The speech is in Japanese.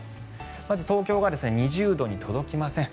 まず東京が２０度に届きません。